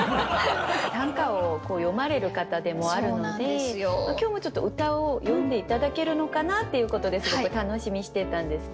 短歌を詠まれる方でもあるので今日もちょっと歌を詠んで頂けるのかなっていうことですごく楽しみにしてたんですけど。